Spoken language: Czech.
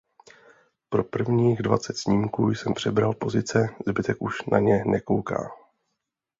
Pro prvních dvacet snímků jsem přebral pozice, zbytek už na ně nekouká.